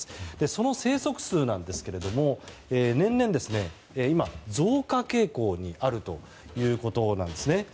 その生息数ですが年々、今、増加傾向にあるということなんですね。